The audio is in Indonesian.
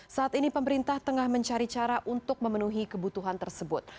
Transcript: saat ini pemerintah tengah mencari cara untuk memenuhi kebutuhan tersebut